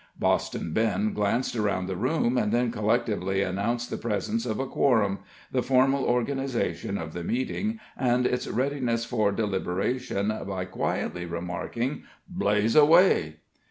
Boston Ben glanced around the room, and then collectively announced the presence of a quorum, the formal organization of the meeting, and its readiness for deliberation, by quietly remarking: "Blaze away!"